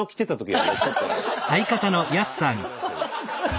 はい。